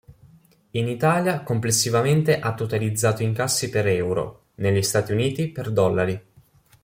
In Italia complessivamente ha totalizzato incassi per euro, negli Stati Uniti per dollari.